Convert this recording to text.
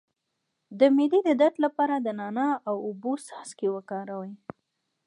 د معدې د درد لپاره د نعناع او اوبو څاڅکي وکاروئ